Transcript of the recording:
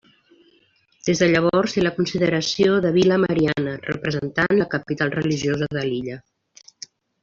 Des de llavors té la consideració de vila mariana, representant la capital religiosa de l'illa.